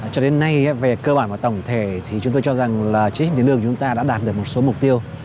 cho đến nay về cơ bản và tổng thể thì chúng tôi cho rằng là chế hình tiền lương của chúng ta đã đạt được một số mục tiêu